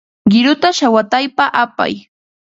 Qiruta shawataypa apay.